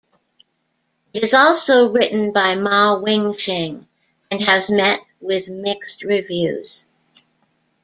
It is also written by Ma Wing-shing and has met with mixed reviews.